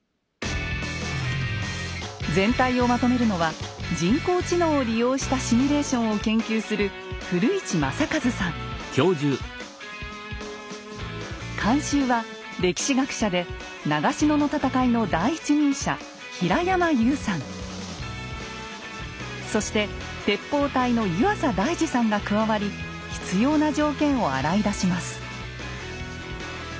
全体をまとめるのは人工知能を利用したシミュレーションを研究する監修は歴史学者で長篠の戦いの第一人者そして鉄砲隊の湯浅大司さんが加わり必要な条件を洗い出します。